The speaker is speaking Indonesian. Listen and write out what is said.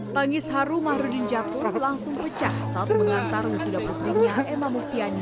tangis harumah rudin jatuh langsung pecah saat mengantar usuda putrinya emma muftiani